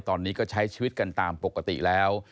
ตอนนี้ก็ใช้ชีวิตกันตามปกติแล้ว